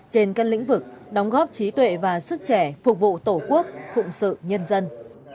trên các lĩnh vực đóng góp trí tuệ và sức trẻ phục vụ tổ quốc phụng sự nhân dân